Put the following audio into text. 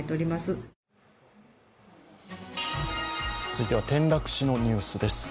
続いては転落死のニュースです。